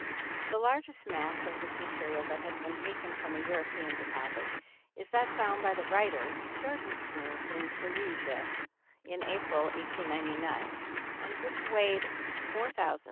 The largest mass of this material that has been taken from a European deposit is that found by the writer at Jordansmühl in Silesia, in April, 1899, and which weighed 4704 pounds.